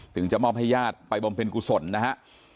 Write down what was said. ถึงจะมอบให้ญาติไปควบีนกุศลนะฮะ